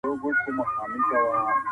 باید د سولې او ثبات لپاره هڅې وسي.